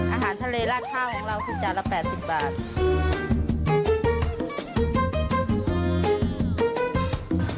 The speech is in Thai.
อาหารทะเลราดข้าวของเราคือจานละ๘๐บาท